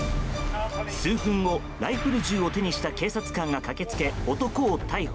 数分後、ライフル銃を手にした警察官が駆け付け男を逮捕。